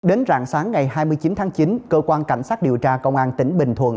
đến rạng sáng ngày hai mươi chín tháng chín cơ quan cảnh sát điều tra công an tỉnh bình thuận